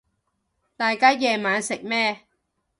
大家夜晚食咩